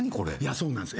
そうなんです